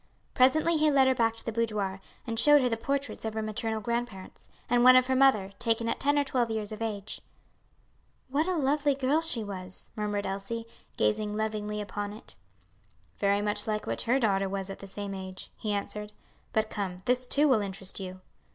Presently he led her back to the boudoir, and showed her the portraits of her maternal grandparents, and one of her mother, taken at ten or twelve years of age. "What a lovely little girl she was," murmured Elsie, gazing lovingly upon it. "Very much like what her daughter was at the same age," he answered. "But come, this, too, will interest you."